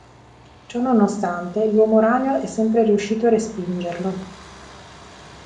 Ciò nonostante l'Uomo Ragno è sempre riuscito a respingerlo.